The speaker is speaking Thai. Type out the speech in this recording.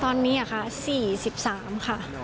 ตอนนี้ค่ะ๔๓ค่ะ